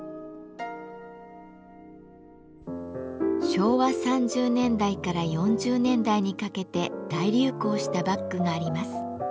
昭和３０年代から４０年代にかけて大流行したバッグがあります。